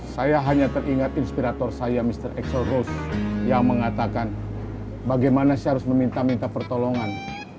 saya hanya teringat inspirator saya mr xl rose yang mengatakan bagaimana saya harus meminta minta pertolongan